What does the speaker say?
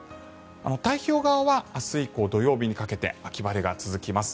太平洋側は明日以降土曜日にかけて秋晴れが続きます。